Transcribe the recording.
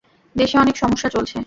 দেশে অনেক সমস্যা চলছে।